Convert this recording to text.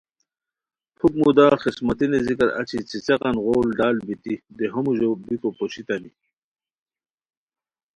پُھک مودا خسمتی نیزیکار اچی څیڅیقان غول ڈال بیتی دیہو موژو بیکو پوشتانی